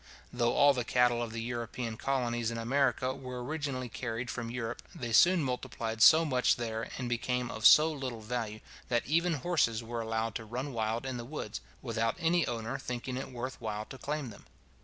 Though all the cattle of the European colonies in America were originally carried from Europe, they soon multiplied so much there, and became of so little value, that even horses were allowed to run wild in the woods, without any owner thinking it worth while to claim them.